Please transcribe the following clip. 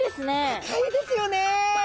赤いですよね。